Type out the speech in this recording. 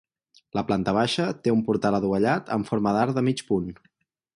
La planta baixa té un portal adovellat amb forma d'arc de mig punt.